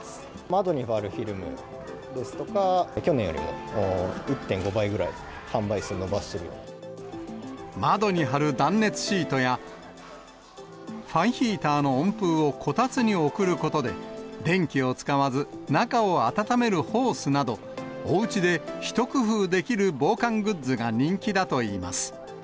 窓に貼るフィルムですとか、去年よりも１．５倍ぐらい、窓に貼る断熱シートや、ファンヒーターの温風をこたつに送ることで、電気を使わず中を暖めるホースなど、おうちで一工夫できる防寒グッズが人気だといいます。